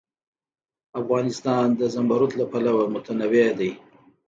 افغانستان د زمرد له پلوه متنوع دی.